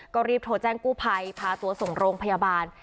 ก็รีบโทรแจ้งกู้ภัยพาตัวส่งโรงพยาบาล